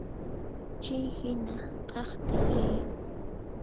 Chay hina kaqtin riy.